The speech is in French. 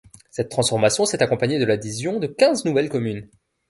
Cette transformation s'est accompagnée de l'adhésion de quinze nouvelles communes.